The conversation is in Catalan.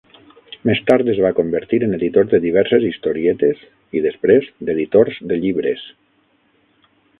Més tard es va convertir en editor de diverses historietes i després d'editors de llibres.